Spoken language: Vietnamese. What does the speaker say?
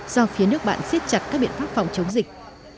do phía nước bạn siết chặt các biện pháp phòng chống dịch